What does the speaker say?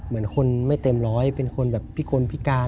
เหมือนคนไม่เต็มร้อยเป็นคนแบบพิคนพิการ